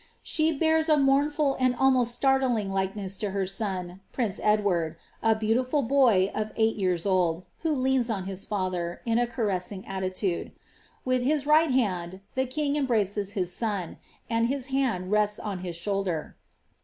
She bears i mournful and almost sUirtling likeness to her son, prince Edward, a teautiful boy of eight years old, who leans on his father, in a caressing itiitude. With his right arm, the king embraces his son, and his hand Ttts on his shoulder.